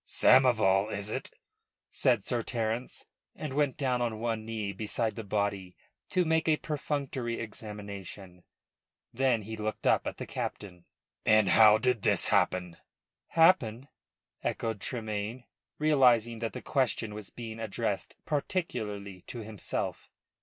"Samoval, is it?" said Sir Terence, and went down on one knee beside the body to make a perfunctory examination. Then he looked up at the captain. "And how did this happen?" "Happen?" echoed Tremayne, realising that the question was being addressed particularly to himself.